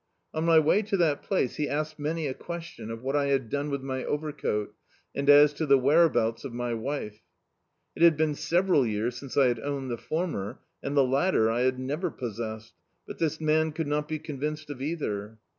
On my way to that place he asked many a question of what I had done with my overcoat, and as to the whereabouts of my wife. It had been several years since I had owned the former, and the tatter I had never pos sessed; but this man could not be convinced of either.